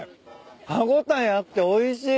歯応えあっておいしい。